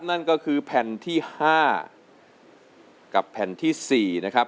นั่นก็คือแผ่นที่๕กับแผ่นที่๔นะครับ